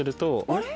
あれ？